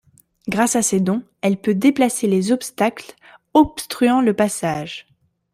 Grâce à ses dons, elle peut déplacer les obstacles obstruant le passage.